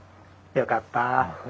よかった。